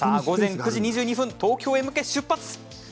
午前９時２２分、東京へ向け出発。